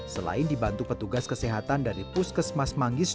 selain dibantu petugas kesehatan dari puskesmas manggis